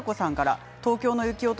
「東京の雪男」